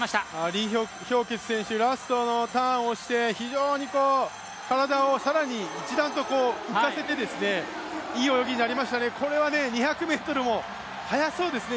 李氷潔選手、ラストのターンをして、体を一段と浮かせていい泳ぎになりましたね、これは２００も速そうですね。